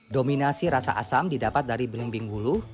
dominasi rasa asam didapat dari belimbing bulu